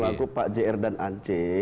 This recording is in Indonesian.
bukan wakil pak jr dan ance